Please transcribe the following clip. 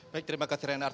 baik terima kasih renard